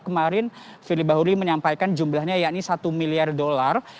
kemarin firly bahuri menyampaikan jumlahnya yakni satu miliar dolar